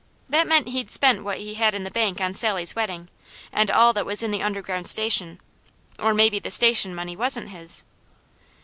That meant he'd spent what he had in the bank on Sally's wedding, and all that was in the Underground Station, or maybe the Station money wasn't his.